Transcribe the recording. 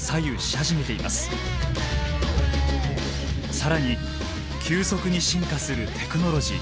更に急速に進化するテクノロジー。